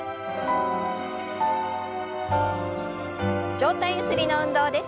上体ゆすりの運動です。